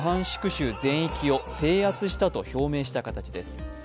州全域を制圧したと表明した形です。